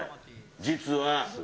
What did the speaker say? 実は。